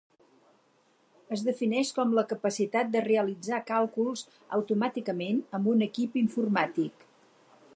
Es defineix com la capacitat de realitzar càlculs automàticament amb un equip informàtic.